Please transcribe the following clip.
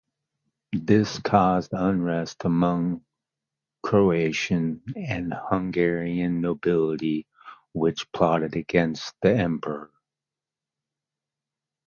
This caused unrest among the Croatian and Hungarian nobility which plotted against the emperor.